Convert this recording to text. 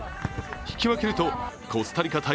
引き分けるとコスタリカ対